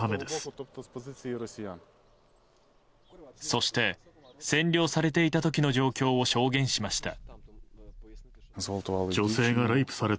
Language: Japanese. そして占領されていた時の状況を証言しました。